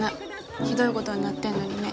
ひどいごどになってんのにね。